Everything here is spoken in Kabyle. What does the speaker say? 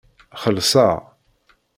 Xellseɣ.